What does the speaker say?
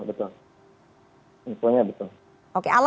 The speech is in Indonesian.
iya betul betul